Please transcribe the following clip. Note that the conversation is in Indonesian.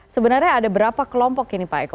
sebenarnya ada berapa kelompok